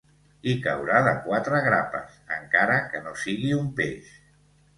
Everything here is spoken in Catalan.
Hi caurà de quatre grapes, encara que no sigui un peix.